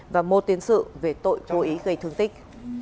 và một tiền sự về tội vô ý gây thương tích